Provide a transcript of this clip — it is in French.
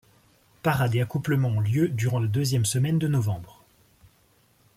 Parades et accouplements ont lieu durant la deuxième semaine de novembre.